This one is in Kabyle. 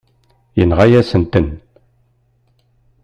Yenɣa-yasen-ten.